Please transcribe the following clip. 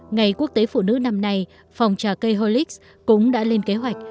ngày quốc tế phụ nữ năm nay phòng trà cây holix cũng đã lên kế hoạch